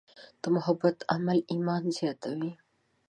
د محبت عمل ایمان زیاتوي.